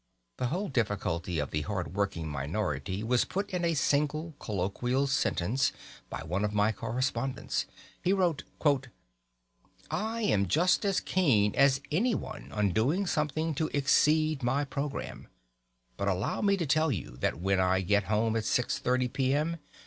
The whole difficulty of the hard working minority was put in a single colloquial sentence by one of my correspondents. He wrote: "I am just as keen as anyone on doing something to 'exceed my programme,' but allow me to tell you that when I get home at six thirty p.m.